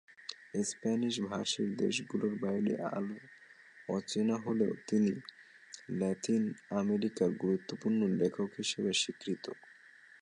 স্প্যানিশভাষী দেশগুলোর বাইরে অচেনা হলেও, তিনি লাতিন আমেরিকায় গুরুত্বপূর্ণ লেখক হিসেবে স্বীকৃত।